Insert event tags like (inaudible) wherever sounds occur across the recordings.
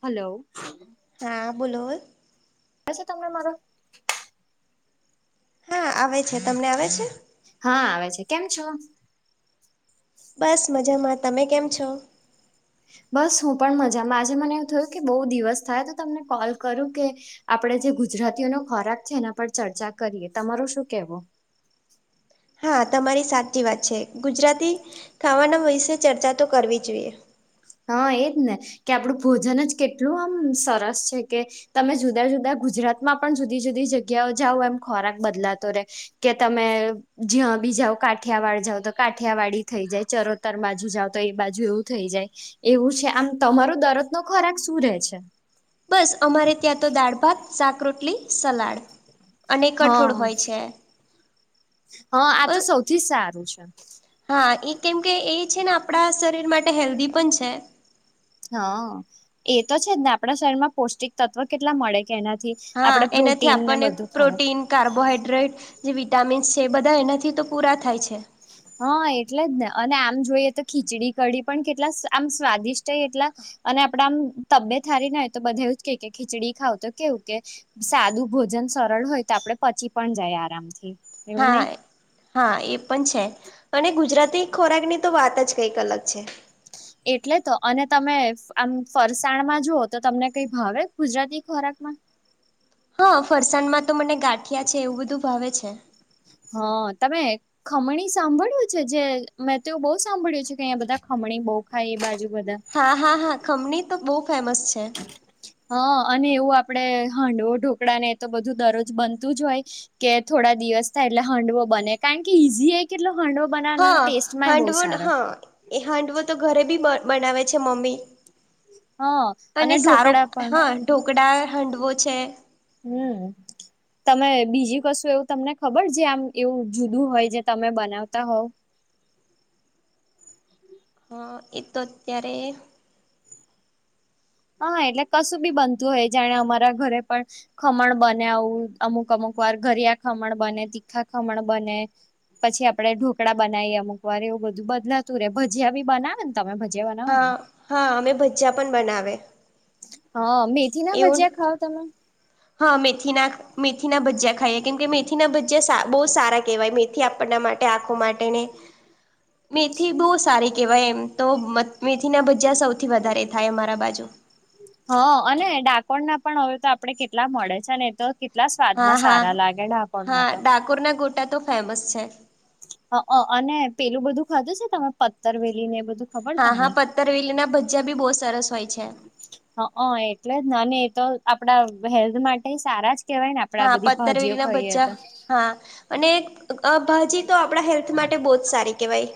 Hello. હા બોલો. (unintelligible) તમને માર હા આવે છે તમને આવે છે. હા આવે છે કેમ છો. બસ મજામાં તમે કેમ છો. (inaudible) બસ હું પણ મજામાં આજે મને એવું થયું કે બહુ દિવસ થાય તો તમને કોલ કરું કે. આપણેે જે ગુજરાતીઓનોો ખોરાક છે એના પર ચર્ચા કરીએ તમારો શું કેવો. હા તમારી સાચી વાત છે ગુજરાતી ખાવાના વિશે ચર્ચા તો કરવી જોઈએ. હા એજ ને કે આપડું ભોજન જ કેટલું આમ સરસ છે કે. તમે જુદા જુદા ગુજરાતમાં પણ જુદી જુદી જગ્યાઓ જઓ એમ ખોરાક બદલાતો રહેે. કે તમે જ્યાં બી જાઓ કાઠિયાવાડ જાઓ તો કાઠિયાવાડી થઈ જાય ચરો. તાર બાજુ જાવ તો એ બાજુ એવું થઈ જાય એવું છે આમ તમારું દરદ નો ખોરાક શું રે છે. બસ અમારે ત્યાં તો દાળ ભાત સાાક રોટલી સલાડ. અને કઠોળ હા હોય છે. હા આ તો બસ સૌથી સારું છે. હા એ કેમ કે એ છે ને આપણા શરીર માટે હેલ્ધી પણ છે હા એ તો છે જ ને આપણા શરીરમાં પૌષ્ટિક તત્વ કેટલા મળે કે એનાથી. હા આપડે એનાથી પ્રોટીન ને આપણને બધું ખવાય પ્રોટીન. કાર્બોહાઈડ્રેટ જે વિટામિન્સ છે એ બધા એનાથી તો પૂરા થાય છે. હા એટલે જ ને અને આમ જોઈએ તો ખીચડી કડીી પણ કેટલા આમ સ્વાદિષ્ટ એટલા. અને આપડે આમ તબિયત હારી ના હોય તો બધા એવુંજ કે કે ખીચડી ખાવ તો કેવું કે. સાદું ભોજન સરળ હોય તો આપડે પછી પણ જઈ આરામથી. એવું નહી હા. હા એ પણ છે અને ગુજરાતી ખોરાકની તો વાત જ કઈક અલગ છે. એટલે તો અને તમે આમ ફરસાણમાં જુઓ તો તમને કઈ ભાવે ગુજરાતી ખોરાકમાં. હા ફરસાણમાં તો મને ગાંઠિયા છે એવું બધું ભાવે છે. હા તમે ખમણી સાંભળ્યું છે જે મેં તો બહુ સાંભળ્યું છે કે અહીંયા બધા ખમણી બહુ ખાય એ બાજુ બધા હા હા હા ખમણી તો બહુ ફેમસ છે હા અને એવું આપડે હાંડવો ઢોકળા ને એ તો બધું દરરોજ બનતું જ હોય કે થોડા દિવસ થાય એટલે હંડવો બને કારણ કે ઈઝી કેટલો હંડો બનાવાનો હા ટેસ્ટ માંય બહુ હાંડવો સારો હા એ હાંડવો તો ઘરે બી બનાવે છે મમ્મી હા અને સારો ઢોકળા પણ હા ઢોકળા હાંડવો છે હમ તમે બીજી કશું એવું તમને ખબર જે આમ એવું જુદું હોય જે તમે બનાવતા હોવ હા એ તો અત્યારે હા એટલે કશું બી બનતું હોય જાણે અમારા ઘરે પણ ખમણ બને આવું અમુક અમુક વાર ઘરિયા ખમણ બને તીખા ખમણ બને પછી આપડે ઢોકળા બનાવીએ અમુક વાર એવું બધું બદલાતું રે ભજીયા બી બનાવે ને તમે ભજીયા બનાવો ને હા હા અમે ભજ્જા પણ બનાવે હા મેથી ના એવું ભજયા ખાાવ તમે હા મેથીના મેથીના ભજયા ખાઈએ કેમ કે મેથીના ભજયા બહ સારા કહેવાય થી આપણના માટે આંખો માટેને મેથી બહુ સારી કેહેવાય એમ તો મેથીના ભજા સૌથી વધારે થાય અમારા બાજુ હ અને ડાકોણ ના પણ હવે તો આપડણે કેટલા મળે છે ને એ તો કેટલા સ્વાદ માં સારા લાગે આપણને તો ડાકોર ના ગોટા તો ફેમસ છે હ અને પેલું બધું ખાધું છે તમે પથ્થર વેલી ને એ બધું ખબર હા તમને હા પથરવેલી ના ભજા બી બહ સરસ હોય છે હ એટલે જ એ તો આપડા હેલ્થ માટે સારા જ કેવાય ને આપડે આ હા બધી ભાજીઓ પત્તરવેલીના કાઈએ તો ભજીયા હા અને ભાજી તો આપણા હેલ્થ માટે બહુ જ સારી કેવાય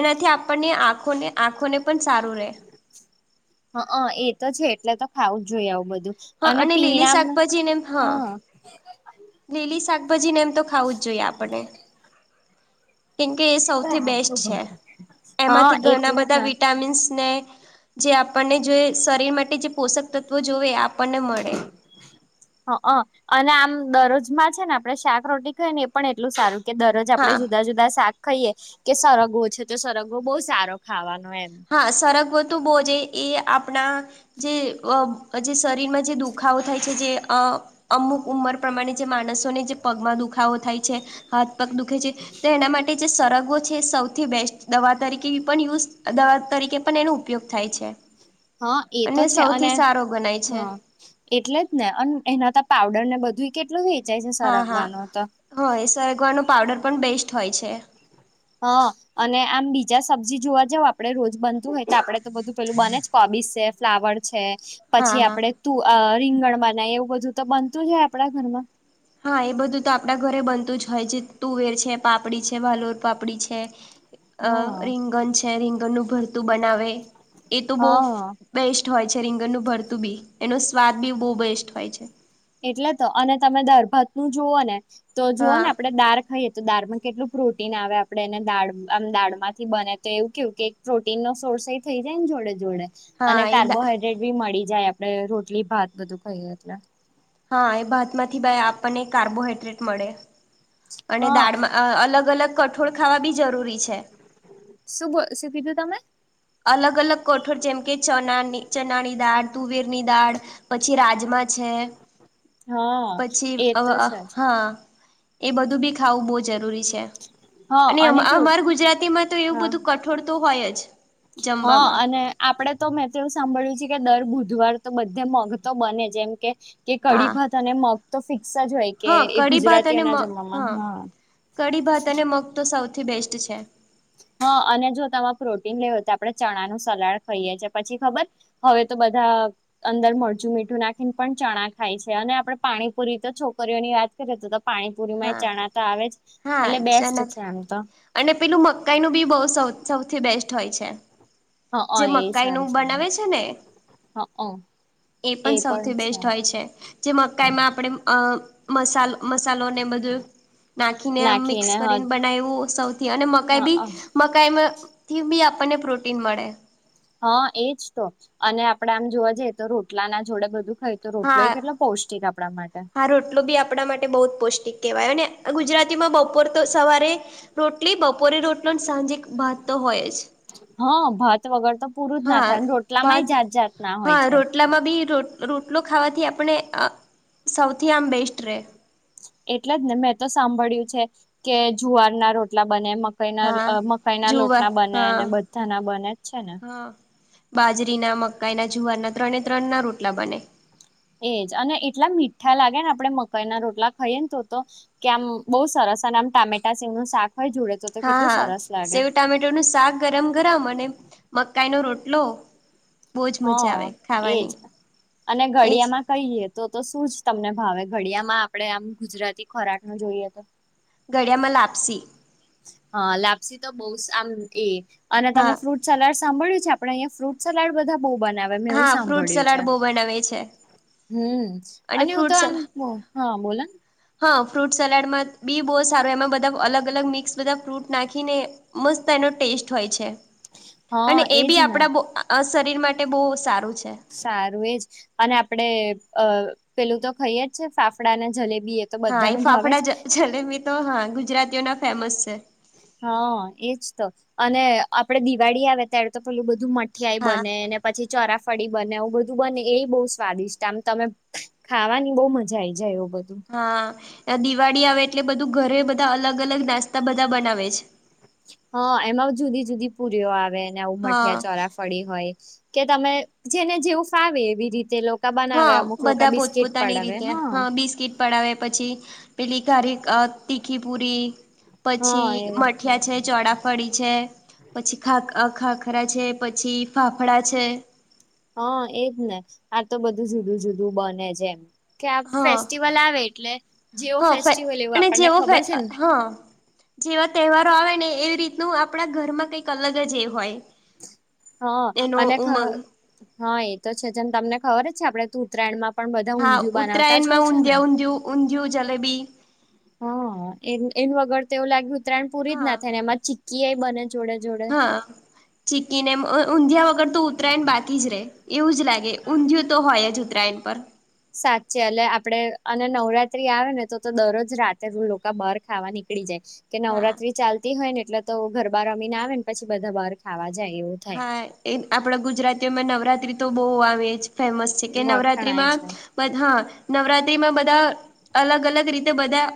એનાથી આપણને આખો આંખોને પણ સારું રહેે હા એ તો છે એટલે તો ખાવું જ જોઈએ આવું બધું હા અને લીલી પીણામાં શાકભાજીને હા લીલી શાકભાજી ને એમ તો ખાવું જ જોઈએ આપણે કેમકે એ સૌથી બેસ્ટ છે એમાંથી હ ઘણા એટલે જ બધા ને વિટામિન્સને જે આપણને જો શરીર માટે જે પોષક તત્વો જોવે એ આપણને મળે હ અને આમ દરરોજમાં છે ને આપડે શાક રરોટી ખાય ને એ પણ એટલું સારું કે દરરોજ આપડે હા જુદા જુદા શા ખઈએ કે સરગો છે તો સરગો બહુ સારો ખાવાનો એમ હા સરગવો હતુ બોજે એ આપણા જે જે શરીરમાં જે દુખાવો થાય છે જે અમુક ઉંમર પ્રમાણે જે માણસોને જે પગમાં દુખાવો થાય છે હાથ પગ દુઃખે છે તો એના માટે જે સરગવો છે સૌથી બેસ્ટ દવા તરીકે પણ યુઝ દવા તરીકે પણ એનો ઉપયોગ થાય છે હ એ તો અને છે સૌથી સારો ગનાય હ છે એટલે જ ને અને એના તો પાવડર ને બધું કેટલું વેચાય છે સરગવાનું તો હય સરગવાનું પાવડર પણ બેસ્ટ હોય છે હા અને આમ બીજા સબ્જી જોવા જાવ આપણે રોજ બનતું હોય તો આપડે તો બધું પેલું બને જ કોબીસ છે ફ્લાવર છે હા પછી હા આપણે તું રીંગણમાં ના એવું બધું તો બનતું જ આપણા ઘરમાં હા એ બધું તો આપણા ઘરે બનતું જ હોય જે તુવેર છે પાપડી છે વાલોર પાપડી છે અ હા રીંગનણ છે રીંગણનું ભરતું બનાવે એ તો બહ હા બેસ્ટ હોય છે રીંગણનુંદ ભરતું બી એનો સ્વાદ બી બહુ બેસ્ટ હોય છે એટલે તો અને તમે દારભાત નું જુઓ ને તો જુઓ હા ને આપણે ડાર્ક થઈએ તો દાળમાં કેટલું પ્રોટીન આવે આપણે એને દાળ આમ દાળમાંથી બને તો એવું કેવું કે પ્રોટીન નો સોર્સ એ થઈ જાય ને જોડે જોડે અને હા એ કાર્બોહાઈડ્રેટ ભી મળી જાય આપણે રોટલી ભાત બધું ખાય એ એટલે હા એ ભાતમાંથી આપણને કાર્બોહાઈડ્રેટ મળે અને હા દાળમાં અલગ અલગ કઠોળ ખાવા બી જરૂરી છે શુ શું કીધું તમે અલગ અલગ કોઠળ જેમ કે ચનાની ચનાની દાળ તુવેરની દાળ પછી રાજમા છે હા પછી એ તો છે જ હા એ બધું બી ખાવું બહુ જરૂરી છે હા અને કેવું અમાર ગુજરાતીમાં તો એવું હા બધું છોડ તો હોય જ હા જમવામાં અને આપડે તો મેં તો એવું સાંભળ્યું છે કે દર બુધવાર તો બધે મગ તો બને જેમ કે કે કડી હા ભાત અને મગ તો ફિક્સ જ હોય કે હા એ કઢી ભાત અને ગુજરાતીઓના જમવામાં હા કઢી ભાત અને મગ તો સૌથી બેસ્ટ છે હા અને જો તમામે પ્રોટીન લેવુ હોય તો આપણે ચણા નું સલાડ ખાઈએ છે પછી ખબર હવે તો બધા અંદર મરચું મીઠું નાખીને પણ ચણા ખાય છે અને આપડે પાણીપુરી તો છોકરીઓની વાત કરીએ તો પાણીપુરી માંય હા ચણા તો આવે જ હા એટલે બેસ્ટ જનત છે આમ તો અને પેલું મકાઈનું બી બહ સૌથી બેસ્ટ હોય છે હ જે એ મકાઈનું સરસ લાગે બનાવે છે ને? હ એ પણ સૌથી બેસ્ટ હોય છે. જે મકાઈમાં આપણે અ મ મસાલોને નાખીને મિક્સ નાખીને હ કરી બનાવ સૌથી અને મકાઈ બી હ કાઈમથી બી આપણને પ્રોટીન મળે હા એજ તો અને આપડે આમ જોવા જઈએ તો રોટલા ના જોડે બધું ખાય તો રોટલો હા એ કેટલો પૌષ્ટિક આપણા માટે. હા રોટલો બી આપણા માટે એ બઉ પૌષ્ટિક કેહવાય અને ગુજરાતીમાં બપોર તો સવારે રોટલી, બપોરે રોટલો ને સાંજે ભાત તો હોય અ જ. હ, ભાત વગર તો પૂરું જ ના હા થાય ને રોટલામાંય જાત જાત ના હોય છે. એટલામાં બી રોટ રોટલો ખાવાથી આપણે અ સૌથી આમ બેસ્ટ રેહ. એટલે જ ને, મેં તો સાંભળ્યું છે કે જુવાર ના રોટલા બને, મ કાઈ ના હા મકાઈ ના જુવાર લોટના બને હા ને બધા ના બને જ છે ને? હા બાજરીના, મકાઈના, જુવારના ત્રણે ત્રણ ના રોટલા બને. એજ અને એટલા મીઠા લાગે ને આપણે મકાઈ ના રોટલા ખાઈએ ને તો તો. કે આમ બઉ સરસ અને આમ ટામેટા સેવનું શાક હોય જોડે તો તો કેટલું હા સરસ લાગે સેવ ટામેટોનું શાક ગરમ ગરમ અને મકાઈનો રોટલો બહુ જ મજા આવે હ એજ ખાવાની અને એ જ ઘડિયાના કહીએ તો શું જ તમને ભાવે ઘડિયામાં આપણે આમ ગુજરાતી ખોરાક નું જોઈએ તો ઘડ્યામાંલ લાપસી. હા લાપસી તો બઉ સ આમ એ અને તમે હા ફ્રૂટ સલાડ સાંભળ્યું છે આપડ અંયા ફ્રૂટ સલાડ બધા બઉ બના વે મેં હા એવું ફ્રૂટ સાંભળ્યું છે. સલાડ બહુ બનાવે છે હમ્મ, અને હું ફ્રૂટ તો આમ સલા હા હ બોલોન. હા ફ્રૂટ સલાડમાં બી બહુ સારો એમાં બધા અલગ અલગ મિક્સ બધા ફ્રૂટ નાખીને મસ્ત એનો ટેસ્ટ હોય છે, હા અને એ એજ બી ને આપડા બો અ શરીર માટે બઉ સારું છે. સારું એજ અને આપડે અ પેલું તો ખાઈએ જ છે ફાફડા અને જલેબી એક હા એ ફાફડા જલેબી તો હા ગુજરાતીઓ ના ફેમસ છે. હા એજ તો અને આપડે દિવાળી આવે ત્યારે તો પેલું બધું મ ઠિયાઈ હા બને ને પછી ચરાફળી બને એવું બધું બને એ બઉ સ્વાદિષ્ટ આમ તમે ખાવાની બહુ મજા આઈ જાય એવું બધું. હા દિવાળી આવે એટલે બધું ઘરે બધા અલગ અલગ નાસ્તા બધા બનાવે છે. હા એમાંઉ જુદી જુદી પુરીઓ આવે ને આવું હા મઠિયા, ચોરા ફડી હોય, કે તમે જેને જેવું ફાવે એવી રીતે હ બનાવે અમુક લોકો બધા પોત બિસ્કીટ પોતાની પડાવે રીતે, હા બિસ્કીટ પડાવે પછી પેલી કારેક તીખી પૂરી, પછી હા એ મ મઠિયા છે, ચોડાફળી છે. પછી ખા અ ખાખરા છે, પછી ફાફડા છે. હા એજ ને આ તો બધું જુદું જુદું બને જ એમ. કે આ હા ફેસ્ટિવલ આવે એટલે જેવો હા ફેસ્ટિવલ એવું અને આપણને જેવો ખબર છે ને હા જેવા તેહવારો આવે ને એવી રીતનું આપણા ઘરમાં કંઈક અલગ જ એ હોય. હા, એનો અને ખ અ ઉમંગ હા એ તો છે જ અન તમને ખબર જ છે આપડે તું ઉત્તરાયણમાં પણ બધા હા ઊંધિયું બનાવતા જ હોય ઉત્તરાયણમાં છે ને ઊંધિયા ઊંધિયુ ઊંધિયું જલેબી. હા એન એનું વગર તો એવું લાગ્યું ઉત્તરાયણ પૂરી જ હા ના થાય ને એમાં ચીકી એ બને જોડે જોડે હા ચીકીને એમ ઊંધિયા વગર તો ઉતરાણ ને બાકી જ રે. એવું જ લાગે. ઊંધિયું તો હોય જ ઉત્તરાયણ પર. સાચે એટલે આપડે અને નવરાત્રી આવે ને તો તો દરરોજ રાતે દુ લોકો બાર ખાવા નીકળી જાય. કે હા નવરાત્રી ચાલતી હોય ને એટલે તો ગરબા રમીને આવે ને પછી બધા બહાર ખાવા જાય એ હા એ આપડા ગુજરાતીઓમાં નવરાત્રી તો બઉ આવે જ ફેમસ છે કે થાય વખણાય નવરાત્રીમાં છે પણ હા નવરાત્રીમાં બધા અલગ અલગ રીતે બધા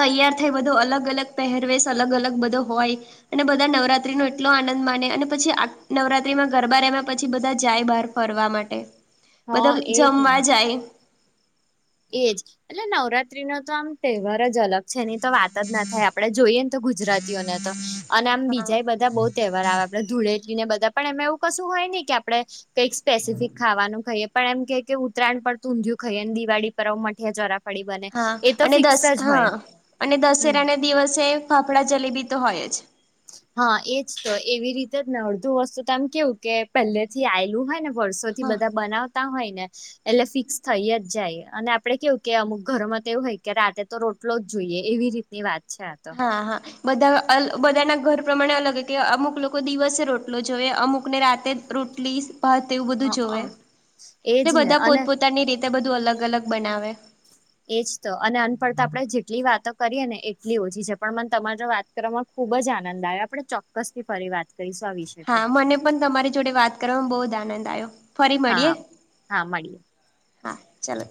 તૈયાર થાય બધો અલગ અલગ પેહેરવેશ અલગ અલગ બધો હોય. અને બધા નવરાત્રી નો એટલો આનંદ માને અને પછી નવરાત્રીમાં ગરબા રેવા પછી બધા જાય બહાર ફરવા માટે. હા બધા એજ ને જમવા જાય. એજ એટલે નવરાત્રી નો તો આમ તહેવાર જ અલગ છે. તો વાત જ ના થાય આપડે જોઈએ ને તો ગુજરાતીઓને તો અને આમ હા બીજા બધા બ તહેવાર આવે આપડે ધૂળે એટલી ને બધા પણ એમાં એવું કશું હોય ને કે આપડે કંઈક સ્પેસિફિક ખવાનું ખાઈએ પણ એમ કે કે ઉત્તરાયણ પર ઊંધયું ખાઈએ ને દિવાળી મઠીયા (unintelligible) હા અને દસ હા અને હમ દશેરા ના દિવસે ફાફડા જલેબી તો હોય જ. હા એજ તો એવી રીતે જ ને અડધું વસ્તુ તો આમ કેવું કે પહેલે થી આવેલું હોય ને વર્ષોથી હા બધા બનાવતા હોય ને એટલે ફિક્સ થઈ જ જાય અને આપડે કેવું કે અમુક ઘરમાં તો એવું હોય કે રાતે તો રોટલો જ જોઈએ એવી રીતે ની વાત છે. તો હા, હા. બધા બધાના ઘર પ્રમાણે અલગ કે અમુક લોકો દિવસે રોટલો જોઈએ અમુકને રાત રોટલી ભાત એવું હ બધું જોવે એજ ને બધા પોત અને પોત (unintelligible) ની રીતે બધું અલગ અલગ બનાવે. એજ તો અને અનફળતા આપડણે જેટલી વાતો કરીએ ને એટલી ઓછી છે પણ મન તમારે વાત ખુબ જ આનંદ આવે આપણે ચોક્કસ થી ફરી વાત કરીશું આ વિશે. હા મને પણ તમારી જોડે વાત કરવામાં બહુ જ આનંદ આવ્યો ફરી મળીએે. હા હા મળીએ હા ચાલો.